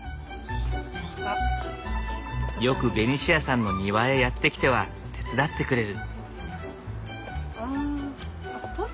よくベニシアさんの庭へやって来ては手伝ってくれる。